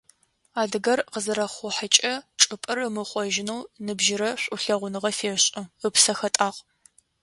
Адыгэр къызэрэхъухьэгъэ чӀыпӀэр ымыхъожьынэу ныбжьырэ шӀулъэгъуныгъэ фешӀы, ыпсэ хэтӀагъ.